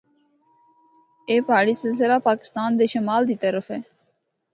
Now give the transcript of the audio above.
اے پہاڑی سلسلہ پاکستان دے شمال دی طرف ہے۔